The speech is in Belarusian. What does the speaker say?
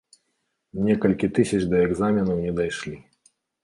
Некалькі тысяч да экзаменаў не дайшлі.